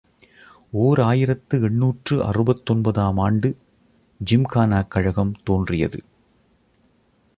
ஓர் ஆயிரத்து எண்ணூற்று அறுபத்தொன்பது ஆம் ஆண்டு ஜிம்கானா கழகம் தோன்றியது.